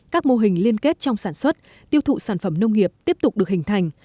các mô hình liên kết trong sản xuất tiêu thụ sản phẩm nông nghiệp tiếp tục được hình thành